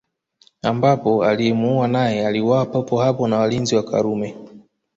Ambapo aliyemuua naye aliuawa papo hapo na walinzi wa Karume